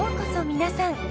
皆さん。